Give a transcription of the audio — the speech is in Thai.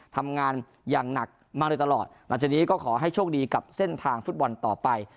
ทำงานอย่างหนักมากเลยตลอดหลังจากนี้ก็ขอให้โชคดีกับเส้นทางฟุตบอลต่อไป